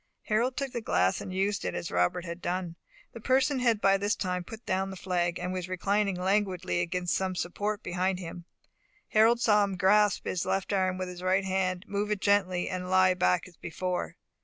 Harold took the glass and used it as Robert had done. The person had by this time put down the flag, and was reclining languidly against some support behind him. Harold saw him grasp his left arm with his right hand, move it gently, and lie back as before.